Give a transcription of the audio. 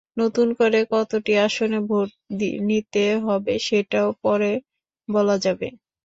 নতুন করে কতটি আসনে ভোট নিতে হবে, সেটাও পরে বলা যাবে।